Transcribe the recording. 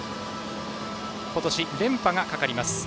今年、連覇がかかります。